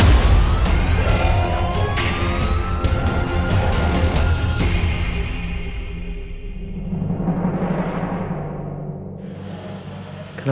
tante andis benar